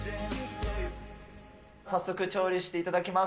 早速調理していただきます。